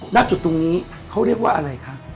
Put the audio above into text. ณจุดตรงนี้เขาเรียกว่าอะไรคะ